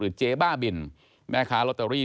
หรือเจ๊บ้าบิลแม่ค้ารอตเตอรี่